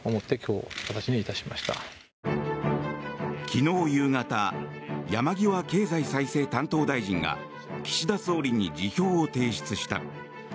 昨日夕方山際経済再生担当大臣が岸田総理に辞表を提出した。